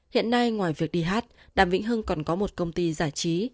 hiện nay ngoài việc đi hát đàm vĩnh hưng còn có một công ty giải trí